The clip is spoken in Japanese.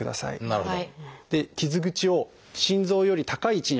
なるほど。